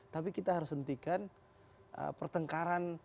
tapi kita harus hentikan pertengkaran